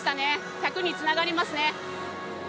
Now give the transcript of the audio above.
１００につながりますね。